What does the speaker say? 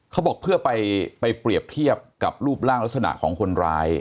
เขาบอกเพื่อไปเปรียบเทียบกับรูปร่างลักษณะของคนร้าย